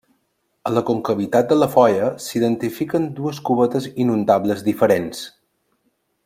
A la concavitat de la Foia s'identifiquen dues cubetes inundables diferents.